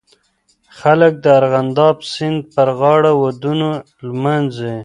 خلک د ارغنداب سیند پرغاړه ودونه لمانځي.